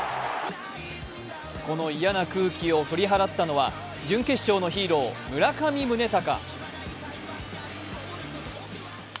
この嫌な空気を振り払ったのは準決勝のヒーロー、村上宗隆。